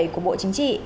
của bộ chính trị